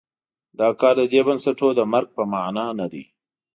دا کار د دې بنسټونو د مرګ په معنا نه دی.